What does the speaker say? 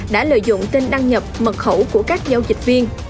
đã lợi dụng tên đăng nhập mật khẩu của các giao dịch viên